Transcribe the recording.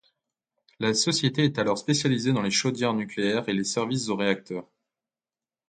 La société est alors spécialisée dans les chaudières nucléaires et les services aux réacteurs.